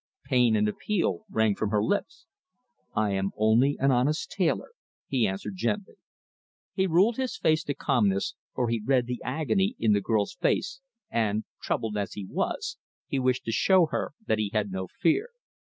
Pain and appeal rang from her lips. "I am only an honest tailor," he answered gently. He ruled his face to calmness, for he read the agony in the girl's face, and troubled as he was, he wished to show her that he had no fear.